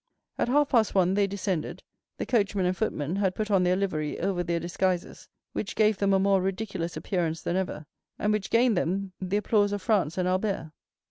At half past one they descended, the coachman and footman had put on their livery over their disguises, which gave them a more ridiculous appearance than ever, and which gained them the applause of Franz and Albert.